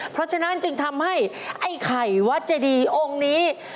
เพราะฉะนั้นจึงทำให้ไอ้ไข่วัดเจดีองค์นี้